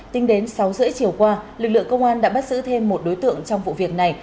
tính đến sáu h ba mươi chiều qua lực lượng công an đã bắt giữ thêm một đối tượng trong vụ việc này